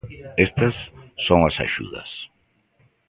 Estas son as axudas.